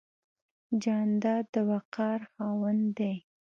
جانداد د وقار خاوند دی.